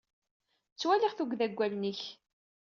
Ttwaliɣ tuggda deg wallen-ik.